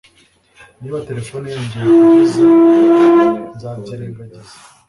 Niba terefone yongeye kuvuza nzabyirengagiza